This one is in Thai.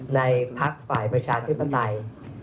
ในภักดิ์ฝ่ายประชาธิปไตน์